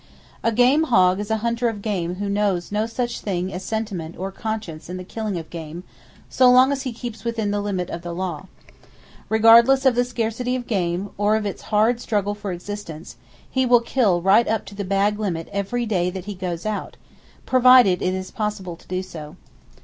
A "game hog" is a hunter of game who knows no such thing as sentiment or conscience in the killing of game, so long as he keeps within the limit of the law. Regardless of the scarcity of game, or of its hard struggle for existence, he will kill right up to the bag limit every day that he goes out, provided it is possible to do so.